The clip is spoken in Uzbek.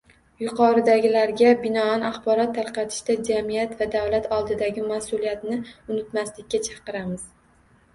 Yuqoridagilarga binoan, axborot tarqatishda jamiyat va davlat oldidagi mas'uliyatni unutmaslikka chaqiramiz